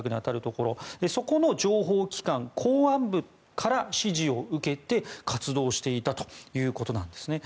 そこの情報機関公安部から指示を受けて活動していたということなんです。